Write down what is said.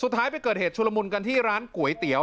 ไปเกิดเหตุชุลมุนกันที่ร้านก๋วยเตี๋ยว